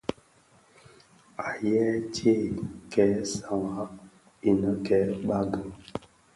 Àa yêê tsee kêê sààghràg inë kêê bàgi.